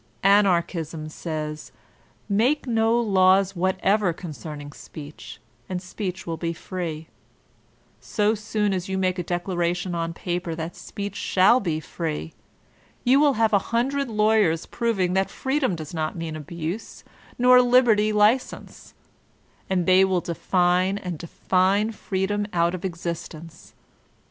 Anarchism says, Make no laws whatever concerning speech, and speech will be free; so soon as you make a declaration on paper that speech shall be free, you will have a hundred lawyers proving that "freedom does not mean abuse, nor liberty license" ; and they will define and define freedom out of existence.